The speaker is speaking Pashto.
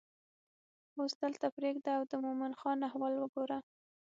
اوس دلته پرېږده او د مومن خان احوال وګوره.